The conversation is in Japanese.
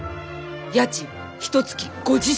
家賃ひとつき５０銭。